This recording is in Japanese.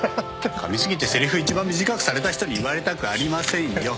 かみ過ぎてせりふ一番短くされた人に言われたくありませんよ。